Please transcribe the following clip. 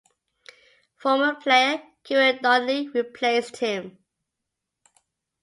Former player Kieran Donnelly replaced him.